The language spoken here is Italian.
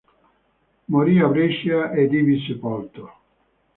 Morì a Brescia ed ivi sepolto.